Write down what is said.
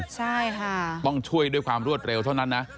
ใช่ค่ะต้องช่วยด้วยความรวดเร็วเท่านั้นนะ